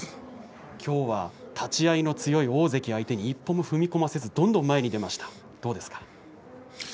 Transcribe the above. きょうは立ち合いの強い大関を相手に一歩も踏み込ませずどんどん前に出ましたどうですか。